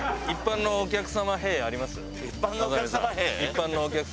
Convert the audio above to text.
一般のお客様の「へぇ」。